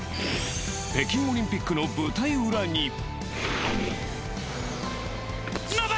北京オリンピックの舞台裏に。